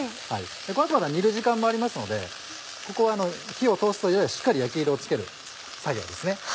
この後また煮る時間もありますのでここは火を通すというよりはしっかり焼き色をつける作業ですね。